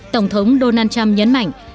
tổng thống donald trump nhấn mạnh